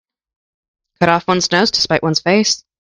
Cut off one's nose to spite one's face.